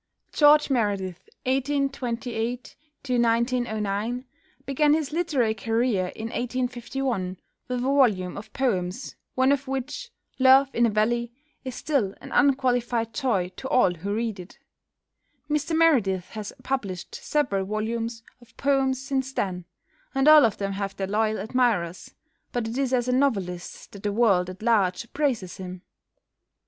=George Meredith (1828 )= began his literary career in 1851, with a volume of poems, one of which, "Love in a Valley," is still an unqualified joy to all who read it. Mr Meredith has published several volumes of poems since then, and all of them have their loyal admirers, but it is as a novelist that the world at large appraises him.